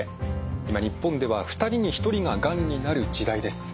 今日本では２人に１人ががんになる時代です。